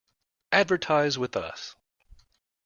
Advertise with us!